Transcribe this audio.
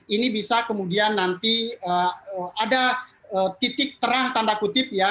ini bisa kemudian nanti ada titik terang tanda kutip ya